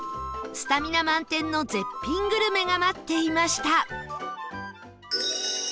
スタミナ満点の絶品グルメが待っていました